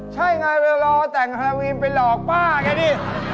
ใช่ไงไปรอแต่งฮาวีนไปหลอกป้าไงดิ